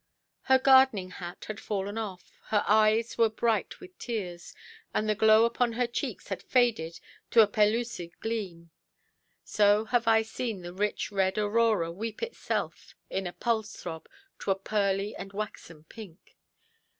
Her gardening hat had fallen off, her eyes were bright with tears, and the glow upon her cheeks had faded to a pellucid gleam. So have I seen the rich red Aurora weep itself, in a pulse–throb, to a pearly and waxen pink.